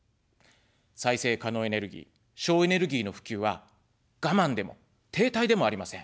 再生可能エネルギー、省エネルギーの普及は我慢でも停滞でもありません。